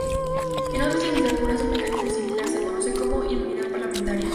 En otras legislaturas, un mecanismo similar se conoce como inmunidad parlamentaria.